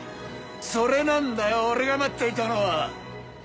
それなんだよ俺が待っていたのは！